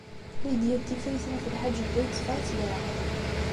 Lidya n Tifrit n At Lḥaǧ yella yetteffeɣ-itt leɛqel.